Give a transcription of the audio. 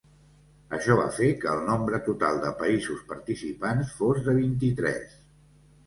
Això va fer que el nombre total de països participants fos de vint-i-tres.